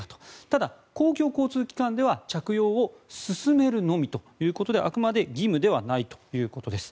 ただ、公共交通機関では着用を勧めるのみということであくまで義務ではないということです。